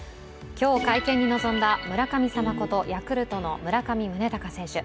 今日会見に臨んだ村神様こと、ヤクルトの村上宗隆選手。